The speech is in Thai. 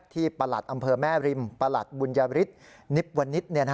ที่ประหลัดอำเภอแม่ริมประหลัดบุญญาวิทย์นิบวันนิตร